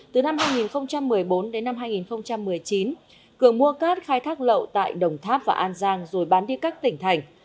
từ năm hai nghìn một mươi bốn đến năm hai nghìn một mươi chín cường mua cát khai thác lậu tại đồng tháp và an giang rồi bán đi các tỉnh thành